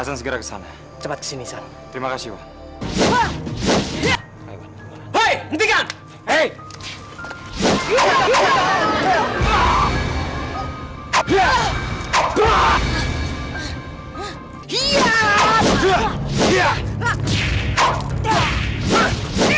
segera kesana cepat kesini terima kasih wah hai hai hai hai hai hai hai hai hai hai hai hai